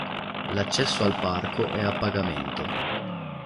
L'accesso al parco è a pagamento.